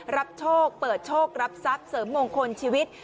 รับโชคเปิดโชครับทรัพย์เสริมมงคลชีวิต